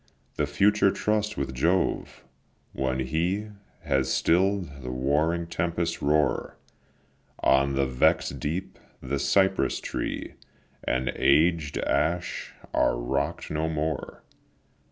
The future trust with Jove; when He Has still'd the warring tempests' roar On the vex'd deep, the cypress tree And aged ash are rock'd no more.